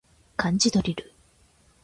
漢字ドリル